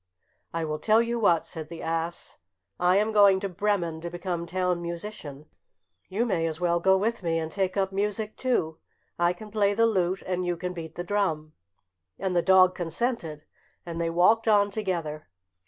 "I will tell you what," said the ass, "I am going to Bremen to become town musician. You may as well go with me, and take up music too. I can play the lute, and you can beat the drum." And the dog consented, and they walked on together.